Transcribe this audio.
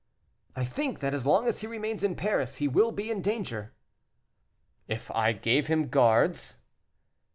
"I think that as long as he remains in Paris he will be in danger." "If I gave him guards."